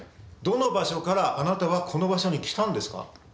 どの場所からあなたはこの場所に来たんですか？